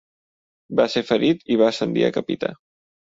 Va ser ferit i va ascendir a capità.